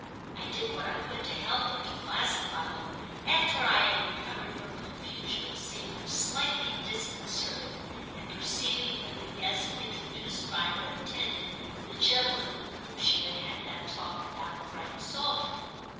I did what I could to help her to classify them, after I had recovered from the confusion of seeing her slightly disconcerted at perceiving in the guest introduced by her intended the gentleman with whom she had had that talk about Frank Saltram.